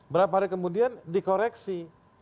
beberapa hari kemudian dikoreksi